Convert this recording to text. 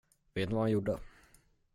Vet ni vad han gjorde?